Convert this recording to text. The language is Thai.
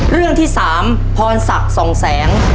เรื่องที่๓พรศักดิ์ส่องแสง